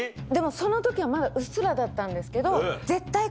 その時はまだうっすらだったんですけど。